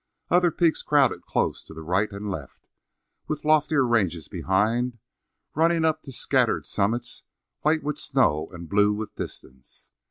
Other peaks crowded close on the right and left, with a loftier range behind, running up to scattered summits white with snow and blue with distance.